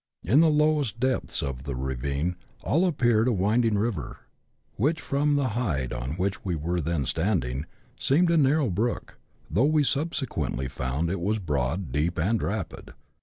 In the lowest depths of the ravine all appeared a winding river, which, from the height on which we were then standing, seemed a narrow brook, though we subsequently found it was broad, deep, and rapid.